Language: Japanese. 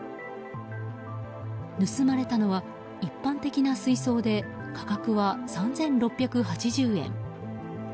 盗まれたのは一般的な水槽で価格は３６８０円。